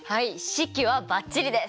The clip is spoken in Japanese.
式はバッチリです！